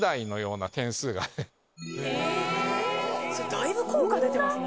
だいぶ効果出てますね。